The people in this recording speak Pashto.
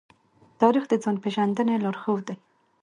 تاریخ د ځان پېژندنې لارښود دی.